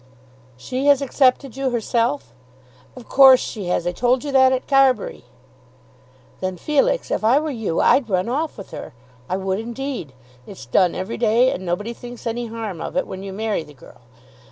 "She has accepted you, herself?" "Of course she has. I told you that at Carbury." "Then, Felix, if I were you I'd run off with her. I would indeed. It's done every day, and nobody thinks any harm of it when you marry the girl.